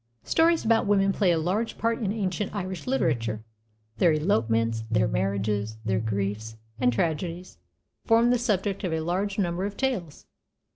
Stories about women play a large part in ancient Irish literature; their elopements, their marriages, their griefs and tragedies, form the subject of a large number of tales.